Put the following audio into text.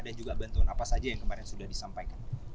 dan juga bantuan apa saja yang kemarin sudah disampaikan